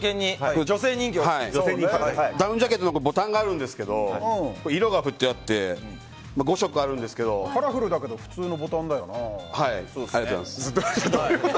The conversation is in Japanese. ダウンジャケットのボタンがあるんですけど色が振ってあって５色あるんですけどカラフルだけど普通のボタンだよなあ。